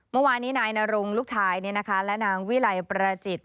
เมื่อวานนี้นายนรงลูกชายและนางวิลัยประจิต